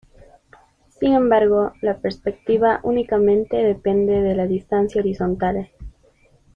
Sin embargo, la perspectiva únicamente depende de la distancia horizontal.